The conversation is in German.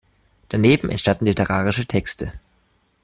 Daneben entstanden literarische Texte.